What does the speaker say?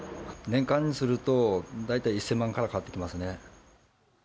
年間にすると、大体１０００万から変わってきますね。